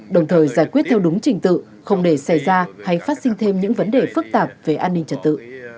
đồng thời giải quyết theo đúng trình tự không để xảy ra hay phát sinh thêm những vấn đề phức tạp về an ninh trật tự